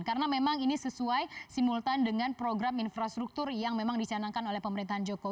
karena memang ini sesuai simultan dengan program infrastruktur yang memang dicanangkan oleh pemerintah